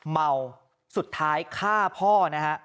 เมาสุดท้ายฆ่าพ่อนะฮะ